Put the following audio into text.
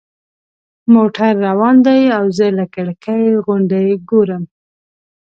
موټر روان دی او زه له کړکۍ غونډۍ ګورم.